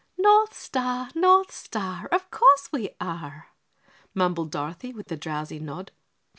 "North Star? North Star, of course we are!" mumbled Dorothy with a drowsy nod.